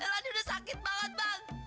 ella dia udah sakit banget bang